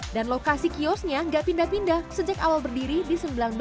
dan lokasi kiosnya gak pindah pindah sejak awal berdiri di seribu sembilan ratus enam puluh tujuh